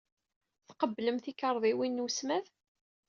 Tqebblem tikarḍiwin n wesmad?